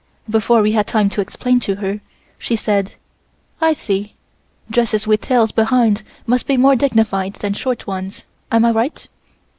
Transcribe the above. Before we had time to explain to her, she said: "I see, dresses with tails behind must be more dignified than short ones, am I right?"